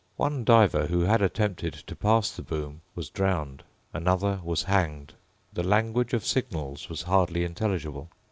One diver who had attempted to pass the boom was drowned. Another was hanged. The language of signals was hardly intelligible.